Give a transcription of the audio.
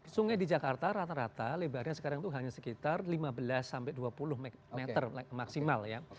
sungai di jakarta rata rata lebarnya sekarang itu hanya sekitar lima belas sampai dua puluh meter maksimal ya